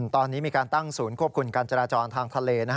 ตอนนี้มีการตั้งศูนย์ควบคุมการจราจรทางทะเล